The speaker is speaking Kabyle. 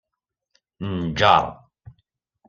Nǧeṛ.